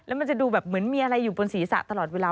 แล้วมันจะดูแบบเหมือนมีอะไรอยู่บนศีรษะตลอดเวลา